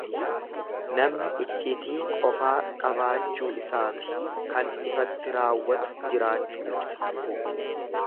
Namni iccitii qofaa qabaachuu isaafi kan ifatti raawwatu jiraachuu ibsa.